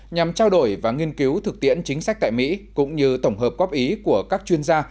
nhằm trao đổi và nghiên cứu thực tiễn chính sách tại mỹ cũng như tổng hợp góp ý của các chuyên gia